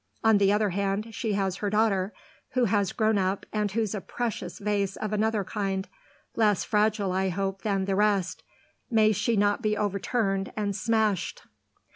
On the other hand she has her daughter, who has grown up and who's a precious vase of another kind less fragile I hope than the rest. May she not be overturned and smashed!"